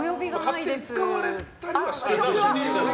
勝手に使われたりはしている。